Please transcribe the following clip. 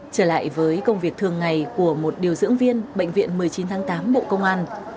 trở lại với công việc thường ngày của một điều dưỡng viên bệnh viện một mươi chín tháng tám bộ công an